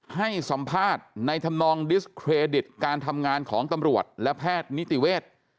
ให้สัมภาษณ์ในธรรมนองดิสเครดิตการทำงานของตำรวจและแพทย์นิติเวทย์